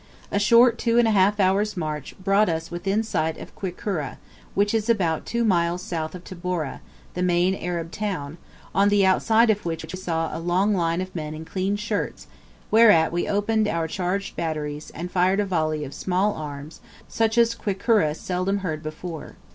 A short two and a half hours' march brought us within sight of Kwikuru, which is about two miles south of Tabora, the main Arab town; on the outside of which we saw a long line of men in clean shirts, whereat we opened our charged batteries, and fired a volley of small arms such as Kwikuru seldom heard before.